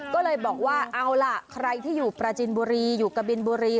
ก็เลยบอกว่าเอาล่ะใครที่อยู่ปราจินบุรีอยู่กะบินบุรี